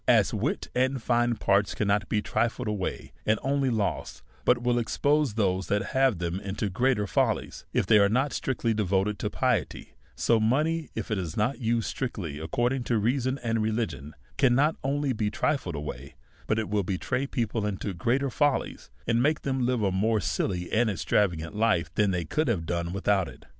As wit and fine parts cannot be trifled away and only lost, but will lead those that have them into greater follies, if they arc not strictly devoted to piety, so money, if it is not used strictly according to reason and religion, cannot only be trifled away, but it will betray people into greater follies, and make them live a more silly and extravagant life than they could have / done without it.